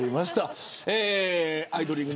アイドリング！！！